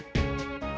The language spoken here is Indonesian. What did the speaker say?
kemana ya bang